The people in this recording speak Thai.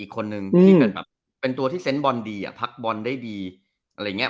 อีกคนนึงที่เป็นตัวที่เซ็นต์บอลดีพักบอลได้ดีอะไรอย่างนี้